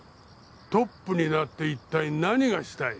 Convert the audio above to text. トップになっていったい何がしたい？